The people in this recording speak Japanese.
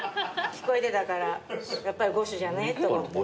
聞こえてたからやっぱり５種じゃない？と思って。